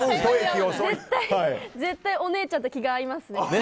絶対お姉ちゃんと気が合いますね。